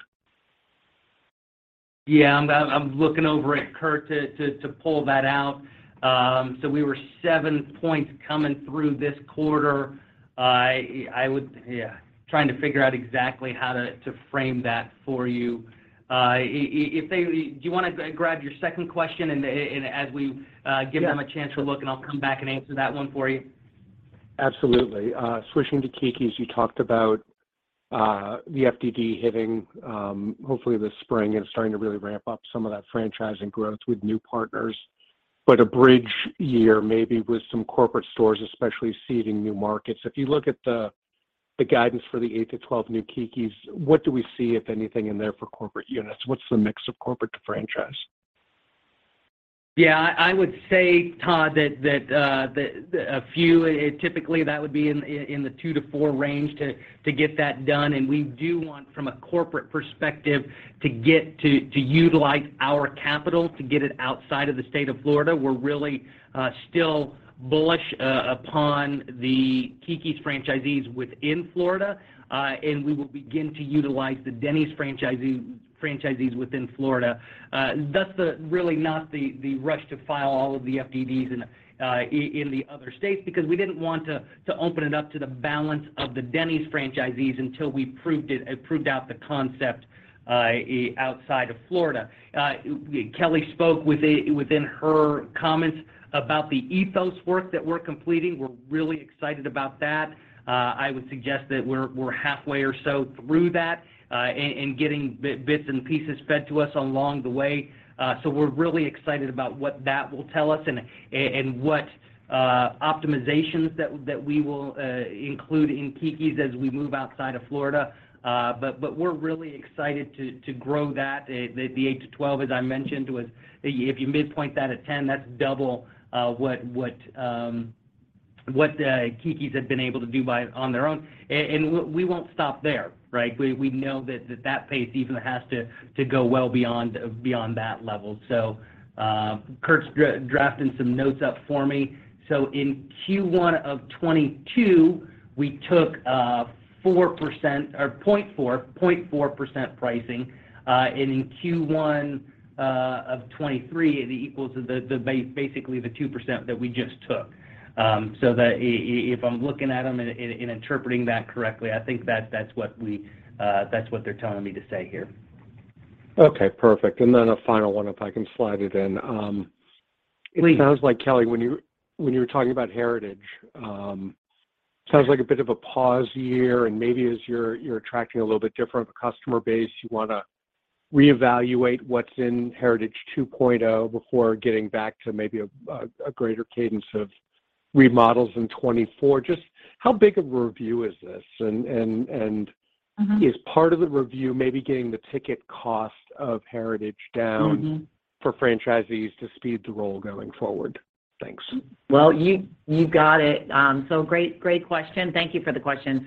Yeah. I'm looking over at Curt to pull that out. We were 7 points coming through this quarter. I would... Yeah. Trying to figure out exactly how to frame that for you. Do you wanna grab your second question and as we give them- Yeah a chance to look, and I'll come back and answer that one for you. Absolutely. Switching to Keke's, you talked about the FDD hitting, hopefully this spring and starting to really ramp up some of that franchising growth with new partners. A bridge year maybe with some corporate stores, especially seeding new markets. If you look at the guidance for the 8-12 new Keke's, what do we see, if anything, in there for corporate units? What's the mix of corporate to franchise? I would say, Todd, that a few, typically that would be in the 2-4 range to get that done. We do want from a corporate perspective to utilize our capital to get it outside of the state of Florida. We're really still bullish upon the Keke's franchisees within Florida, and we will begin to utilize the Denny's franchisees within Florida. Thus the really not the rush to file all of the FDDs in the other states, because we didn't want to open it up to the balance of the Denny's franchisees until we proved out the concept outside of Florida. Kelli spoke within her comments about the Ethos work that we're completing. We're really excited about that. I would suggest that we're halfway or so through that, and getting bits and pieces fed to us along the way. We're really excited about what that will tell us and what optimizations that we will include in Keke's as we move outside of Florida. We're really excited to grow that, the 8-12, as I mentioned, was. If you midpoint that at 10, that's double what Keke's had been able to do by on their own. And we won't stop there, right? We know that pace even has to go well beyond that level. Curt's drafting some notes up for me. In Q1 of 2022, we took 4% or 0.4% pricing, and in Q1 of 2023, it equals the basically the 2% that we just took. That if I'm looking at them and interpreting that correctly, I think that's what we, that's what they're telling me to say here. Okay, perfect. Then a final one, if I can slide it in. Please. It sounds like, Kelli, when you were talking about Heritage, sounds like a bit of a pause year, and maybe as you're attracting a little bit different customer base, you want to reevaluate what's in Heritage 2.0 before getting back to maybe a greater cadence of remodels in 2024. Just how big of a review is this? Mm-hmm. Is part of the review maybe getting the ticket cost of Heritage down? Mm-hmm... for franchisees to speed the roll going forward? Thanks. Well, you got it. Great, great question. Thank you for the question.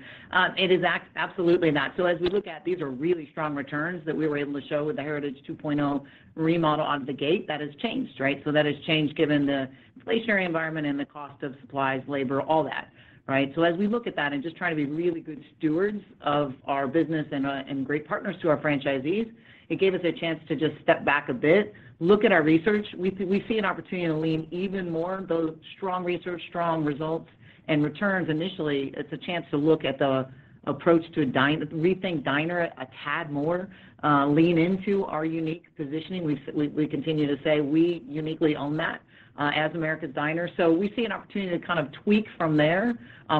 It is absolutely not. As we look at, these are really strong returns that we were able to show with the Heritage 2.0 remodel out of the gate. That has changed, right? That has changed given the inflationary environment and the cost of supplies, labor, all that, right? As we look at that and just trying to be really good stewards of our business and great partners to our franchisees, it gave us a chance to just step back a bit, look at our research. We see an opportunity to lean even more, those strong research, strong results, and returns initially. It's a chance to look at the approach to rethink diner a tad more, lean into our unique positioning. We continue to say we uniquely own that, as America's Diner. We see an opportunity to kind of tweak from there.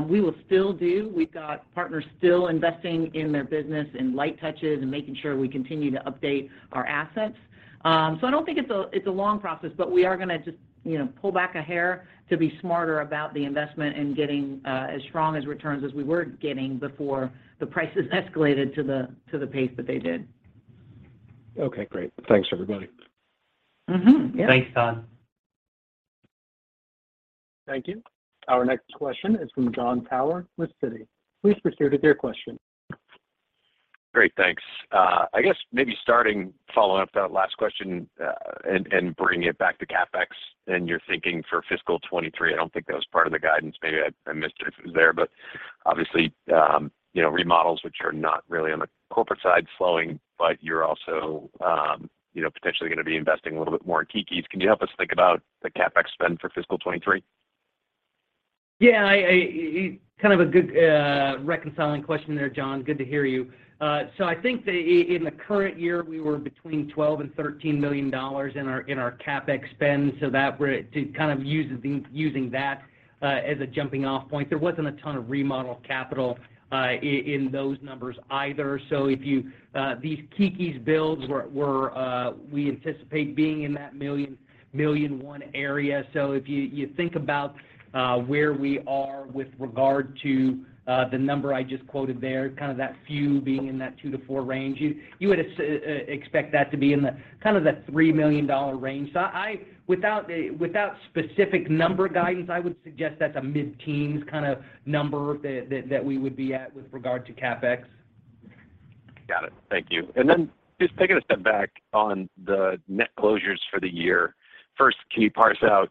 We will still do. We've got partners still investing in their business and light touches and making sure we continue to update our assets. I don't think it's a long process, but we are gonna just, you know, pull back a hair to be smarter about the investment and getting, as strong as returns as we were getting before the prices escalated to the pace that they did. Great. Thanks, everybody. Mm-hmm. Yeah. Thanks, Todd. Thank you. Our next question is from Jon Tower with Citi. Please proceed with your question. Great, thanks. I guess maybe starting following up that last question, and bringing it back to CapEx and your thinking for fiscal 2023. I don't think that was part of the guidance. Maybe I missed it if it was there. Obviously, you know, remodels, which are not really on the corporate side, slowing, but you're also, you know, potentially going to be investing a little bit more in Keke's. Can you help us think about the CapEx spend for fiscal 2023? I kind of a good reconciling question there, Jon. Good to hear you. I think that in the current year, we were between $12 million and $13 million in our CapEx spend, that we're kind of using that as a jumping off point. There wasn't a ton of remodel capital in those numbers either. If you these Keke's builds were we anticipate being in that $1 million-$1.1 million area. If you think about where we are with regard to the number I just quoted there, kind of that few being in that 2-4 range, you would expect that to be in the kind of the $3 million range. I, without specific number guidance, I would suggest that's a mid-teens kind of number that we would be at with regard to CapEx. Got it. Thank you. Just taking a step back on the net closures for the year. First, can you parse out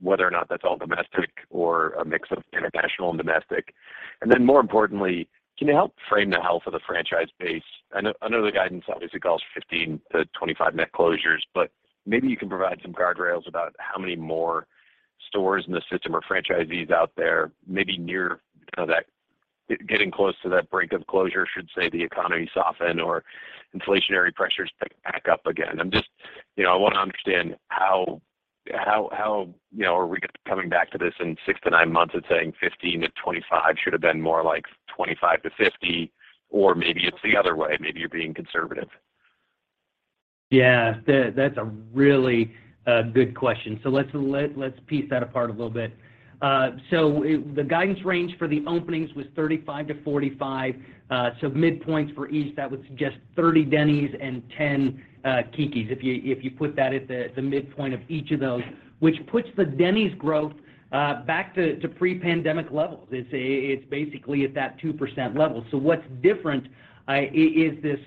whether or not that's all domestic or a mix of international and domestic? More importantly, can you help frame the health of the franchise base? I know the guidance obviously calls 15-25 net closures, but maybe you can provide some guardrails about how many more stores in the system or franchisees out there maybe near kind of that getting close to that brink of closure, should, say, the economy soften or inflationary pressures pick back up again. I'm just, you know, I want to understand how, you know, are we coming back to this in 6-9 months and saying 15-25 should have been more like 25-50, or maybe it's the other way. Maybe you're being conservative. That's a really good question. Let's piece that apart a little bit. The guidance range for the openings was 35-45. Midpoints for each, that would suggest 30 Denny's and 10 Keke's, if you put that at the midpoint of each of those, which puts the Denny's growth back to pre-pandemic levels. It's basically at that 2% level. What's different is this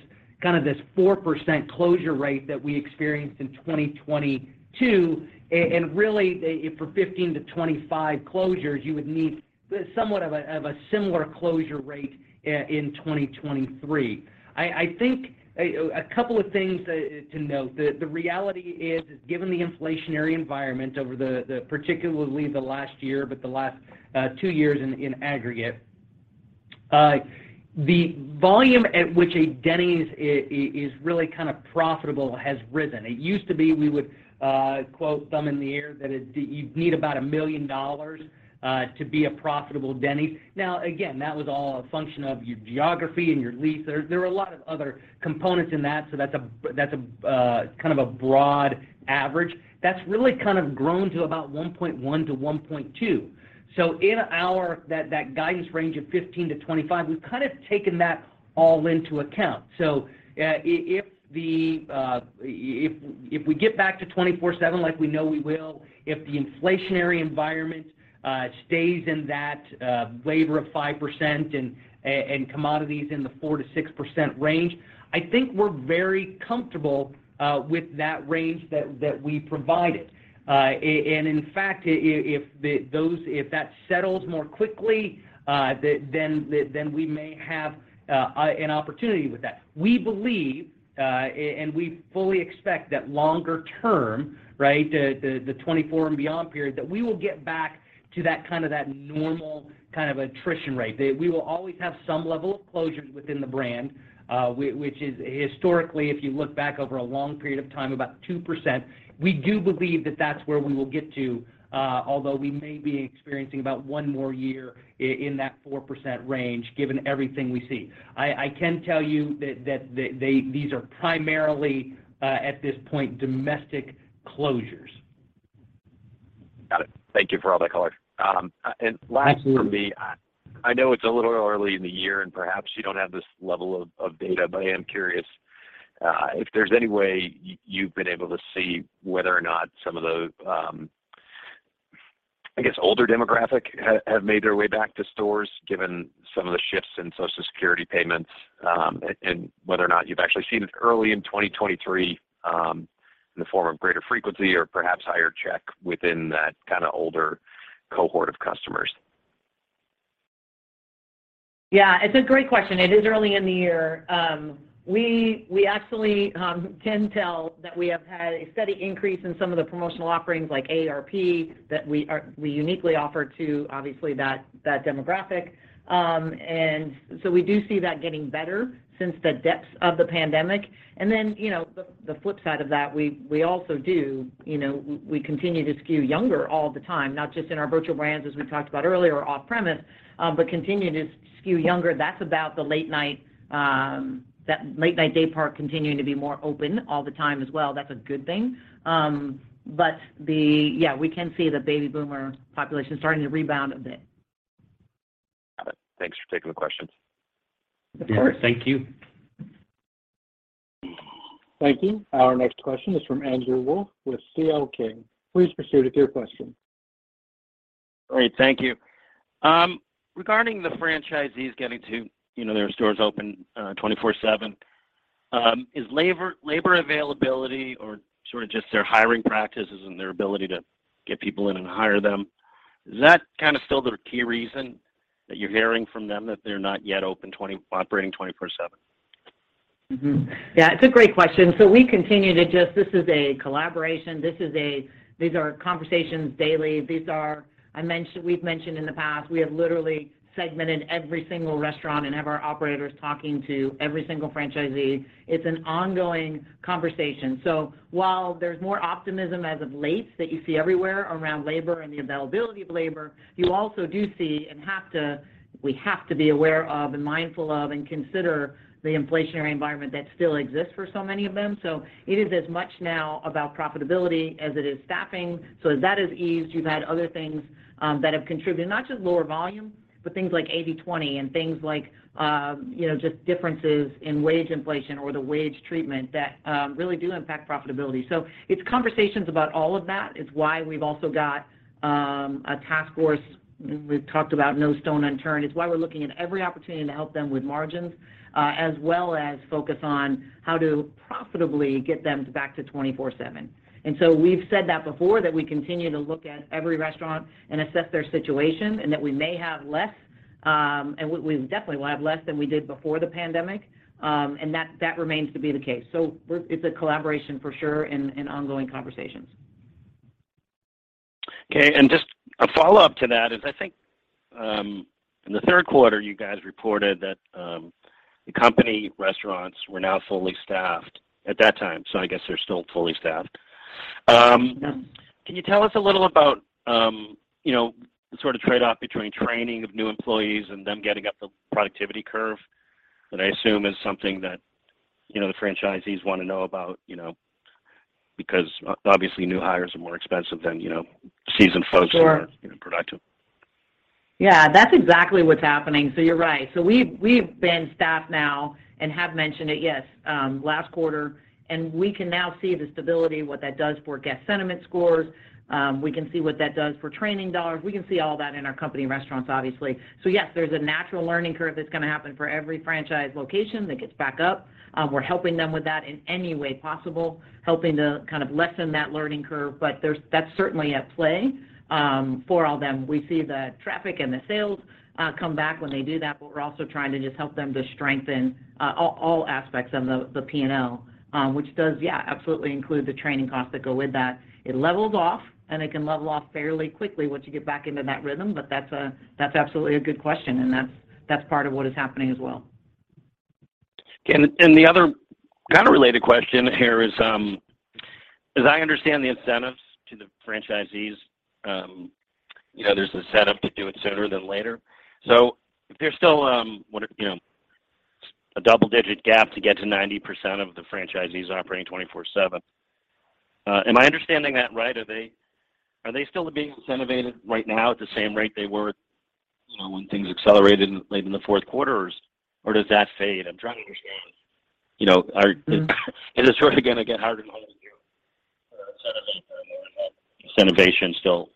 kind of this 4% closure rate that we experienced in 2022, and really, for 15-25 closures, you would need somewhat of a similar closure rate in 2023. I think a couple of things to note. The reality is, given the inflationary environment over the particularly the last year, but the last two years in aggregate, the volume at which a Denny's is really kind of profitable has risen. It used to be we would quote, "thumb in the air," that you need about $1 million to be a profitable Denny's. Now, again, that was all a function of your geography and your lease. There were a lot of other components in that. That's a kind of a broad average. That's really kind of grown to about $1.1 million-$1.2 million. That guidance range of 15-25, we've kind of taken that all into account. If the, if we get back to 24/7 like we know we will, if the inflationary environment stays in that labor of 5% and commodities in the 4%-6% range, I think we're very comfortable with that range that we provided. And in fact, if that settles more quickly, then we may have an opportunity with that. We believe, and we fully expect that longer term, right, the 2024 and beyond period, that we will get back to that kind of normal kind of attrition rate. That we will always have some level of closures within the brand, which is historically, if you look back over a long period of time, about 2%. We do believe that that's where we will get to, although we may be experiencing about 1 more year in that 4% range, given everything we see. I can tell you that these are primarily, at this point, domestic closures. Got it. Thank you for all the color. Last for me. Absolutely. I know it's a little early in the year, and perhaps you don't have this level of data, but I am curious if there's any way you've been able to see whether or not some of the, I guess, older demographic have made their way back to stores, given some of the shifts in Social Security payments, and whether or not you've actually seen it early in 2023, in the form of greater frequency or perhaps higher check within that kind of older cohort of customers. Yeah, it's a great question. It is early in the year. We actually can tell that we have had a steady increase in some of the promotional offerings like AARP that we uniquely offer to obviously that demographic. We do see that getting better since the depths of the pandemic. You know, the flip side of that, we also do, you know, we continue to skew younger all the time, not just in our virtual brands as we talked about earlier or off-premise, continue to skew younger. That's about the late night, that late night daypart continuing to be more open all the time as well. That's a good thing. Yeah, we can see the baby boomer population starting to rebound a bit. Got it. Thanks for taking the questions. Of course. Yeah. Thank you. Thank you. Our next question is from Andrew Wolf with C.L. King. Please proceed with your question. Great. Thank you. Regarding the franchisees getting to, you know, their stores open, 24/7, is labor availability or sort of just their hiring practices and their ability to get people in and hire them, is that kind of still the key reason that you're hearing from them that they're not yet operating 24/7? It's a great question. We continue to. This is a collaboration. These are conversations daily. These are, we've mentioned in the past, we have literally segmented every single restaurant and have our operators talking to every single franchisee. It's an ongoing conversation. While there's more optimism as of late that you see everywhere around labor and the availability of labor, you also do see and have to, we have to be aware of and mindful of and consider the inflationary environment that still exists for so many of them. It is as much now about profitability as it is staffing. As that has eased, you've had other things that have contributed, not just lower volume, but things like 80/20 and things like, you know, just differences in wage inflation or the wage treatment that really do impact profitability. It's conversations about all of that. It's why we've also got a task force. We've talked about no stone unturned. It's why we're looking at every opportunity to help them with margins, as well as focus on how to profitably get them back to 24/7. We've said that before, that we continue to look at every restaurant and assess their situation and that we may have less, and we definitely will have less than we did before the pandemic. And that remains to be the case. It's a collaboration for sure and ongoing conversations. Okay. Just a follow-up to that is I think, in the third quarter, you guys reported that, the company restaurants were now fully staffed at that time. I guess they're still fully staffed. Can you tell us a little about, you know, sort of trade-off between training of new employees and them getting up the productivity curve? That I assume is something that, you know, the franchisees wanna know about, you know, because obviously new hires are more expensive than, you know, seasoned folks. Sure ...who are, you know, productive. Yeah, that's exactly what's happening. You're right. We've been staffed now and have mentioned it, yes, last quarter, and we can now see the stability, what that does for guest sentiment scores. We can see what that does for training dollars. We can see all that in our company restaurants, obviously. Yes, there's a natural learning curve that's gonna happen for every franchise location that gets back up. We're helping them with that in any way possible, helping to kind of lessen that learning curve, but that's certainly at play for all them. We see the traffic and the sales come back when they do that, but we're also trying to just help them to strengthen all aspects of the P&L, which does, yeah, absolutely include the training costs that go with that. It levels off, and it can level off fairly quickly once you get back into that rhythm, but that's absolutely a good question, and that's part of what is happening as well. The other kinda related question here is, as I understand the incentives to the franchisees, you know, there's the setup to do it sooner than later. If there's still, you know, a double-digit gap to get to 90% of the franchisees operating 24/7, am I understanding that right? Are they still being incentivized right now at the same rate they were, you know, when things accelerated in, like, in the fourth quarter, or does that fade? I'm trying to understand, you know, is it sort of gonna get harder and harder to incentivize them or is that incentivization still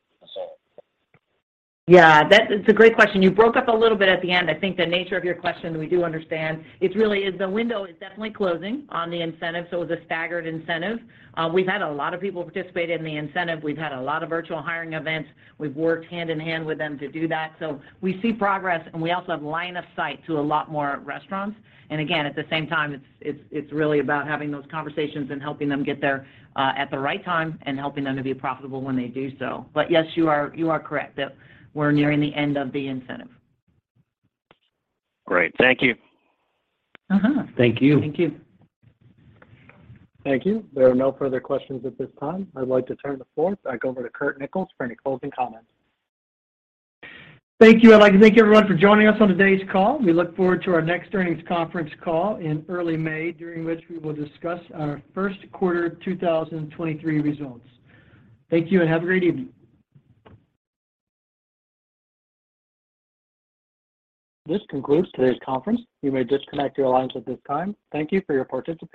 solid? Yeah, that... it's a great question. You broke up a little bit at the end. I think the nature of your question, we do understand. It really is the window is definitely closing on the incentive, so it was a staggered incentive. We've had a lot of people participate in the incentive. We've had a lot of virtual hiring events. We've worked hand-in-hand with them to do that. We see progress, and we also have line of sight to a lot more restaurants. Again, at the same time, it's really about having those conversations and helping them get there, at the right time and helping them to be profitable when they do so. Yes, you are correct that we're nearing the end of the incentive. Great. Thank you. Mm-hmm. Thank you. Thank you. Thank you. There are no further questions at this time. I'd like to turn the floor back over to Curt Nichols for any closing comments. Thank you. I'd like to thank everyone for joining us on today's call. We look forward to our next earnings conference call in early May, during which we will discuss our first quarter 2023 results. Thank you, and have a great evening. This concludes today's conference. You may disconnect your lines at this time. Thank you for your participation.